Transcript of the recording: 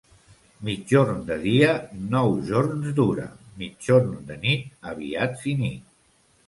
Migjorn de dia nou jorns dura; migjorn de nit, aviat finit.